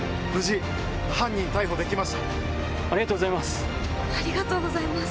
ありがとうございます！